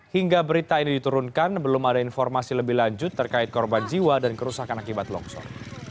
hingga berita ini diturunkan belum ada informasi lebih lanjut terkait korban jiwa dan kerusakan akibat longsor